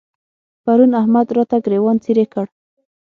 پرون احمد راته ګرېوان څيرې کړ.